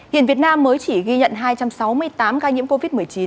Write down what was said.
hiện việt nam mới chỉ ghi nhận hai trăm sáu mươi tám ca nhiễm covid một mươi chín